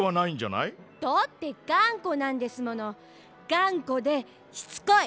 がんこでしつこい。